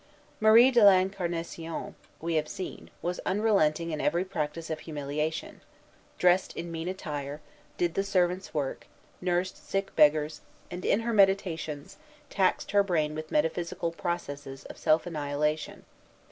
Marie de l'Incarnation, we have seen, was unrelenting in every practice of humiliation; dressed in mean attire, did the servants' work, nursed sick beggars, and, in her meditations, taxed her brain with metaphysical processes of self annihilation.